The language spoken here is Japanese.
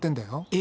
え？